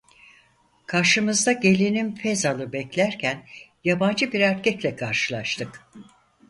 Karşımızda gelinim Fezal'ı beklerken yabancı bir erkekle karşılaştık.